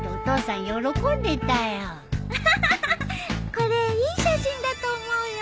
これいい写真だと思うよ。